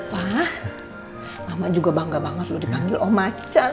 pak mama juga bangga banget lo dipanggil omacan